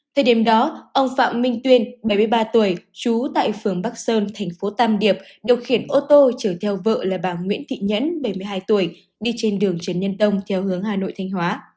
thời điểm đó ông phạm minh tuyên bảy mươi ba tuổi trú tại phường bắc sơn thành phố tam điệp điều khiển ô tô chở theo vợ là bà nguyễn thị nhẫn bảy mươi hai tuổi đi trên đường trần nhân tông theo hướng hà nội thanh hóa